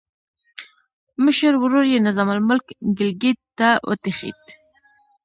مشر ورور یې نظام الملک ګیلګیت ته وتښتېد.